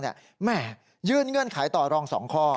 แม่ยื่นเงื่อนไขต่อรอง๒ข้อ